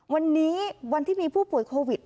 วันนี้วันที่มีผู้ป่วยโควิด